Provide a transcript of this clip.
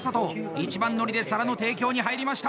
一番乗りで皿の提供に入りました。